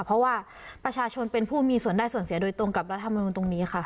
เพราะว่าประชาชนเป็นผู้มีส่วนได้ส่วนเสียโดยตรงกับรัฐมนุนตรงนี้ค่ะ